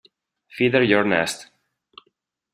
Feather Your Nest